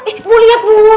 eh mau liat bu